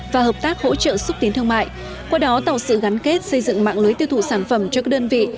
và hợp tác hỗ trợ xúc tiến thương mại qua đó tạo sự gắn kết xây dựng mạng lưới tiêu thụ sản phẩm cho các đơn vị